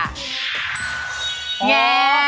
เย้